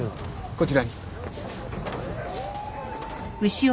こちらに。